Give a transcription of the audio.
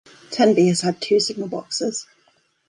Tenby has had two signal boxes.